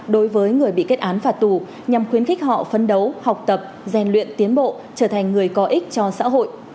đối với người bị kết án phạt tù nhằm khuyến khích họ phấn đấu học tập rèn luyện tiến bộ trở thành người có ích cho xã hội